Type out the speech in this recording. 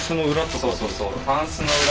そうそうそう。